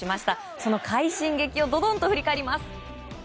その快進撃をどどんと振り返ります。